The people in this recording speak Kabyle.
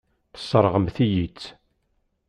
Tesseṛɣemt-iyi-tt.